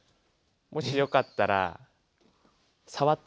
もしよかったらえっ？